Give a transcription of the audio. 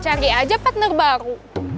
cari aja partner baru